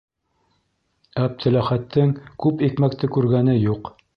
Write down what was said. Әптеләхәттең күп икмәкте күргәне юҡ.